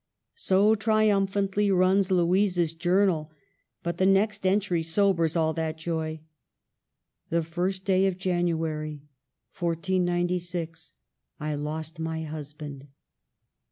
So triumphantly runs Louisa's journal. But the next entry sobers all that joy: "The ist day of January, 1496, I lost my husband."